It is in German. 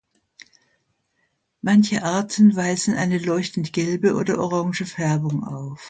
Manche Arten weisen eine leuchtend gelbe oder orange Färbung auf.